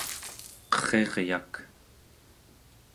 qerriryak